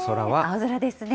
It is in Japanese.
青空ですね。